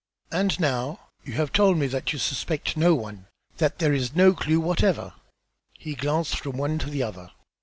And now, you have told me that you suspect no one; that there is no clue whatever." He glanced from one to the other.